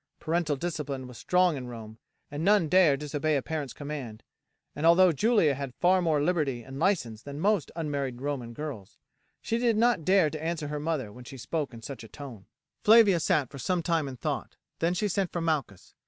Parental discipline was strong in Rome, and none dare disobey a parent's command, and although Julia had far more liberty and license than most unmarried Roman girls, she did not dare to answer her mother when she spoke in such a tone. Flavia sat for some time in thought, then she sent for Malchus.